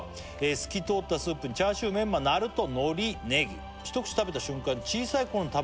「透き通ったスープにチャーシューメンマなるとのりネギ」「一口食べた瞬間小さいころに食べていた」